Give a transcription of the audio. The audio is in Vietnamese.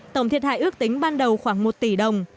tổng thiệt hại ước tính ban đầu khoảng một tỷ đồng